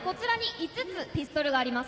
５つピストルがあります。